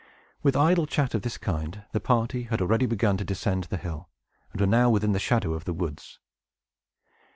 With idle chat of this kind, the party had already begun to descend the hill, and were now within the shadow of the woods.